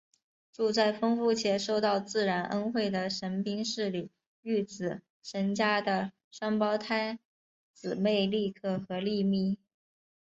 住在丰富且受到自然恩惠的神滨市里御子神家的双胞胎姊妹莉可和莉咪。